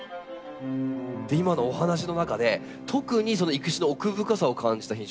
今のお話の中で特にその育種の奥深さを感じた品種があると伺ったんですが。